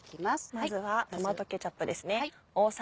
まずはトマトケチャップですね。